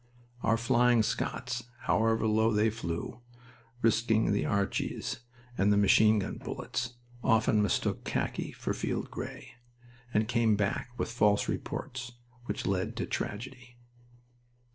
Our flying scouts, however low they flew, risking the Archies and machine gun bullets, often mistook khaki for field gray, and came back with false reports which led to tragedy.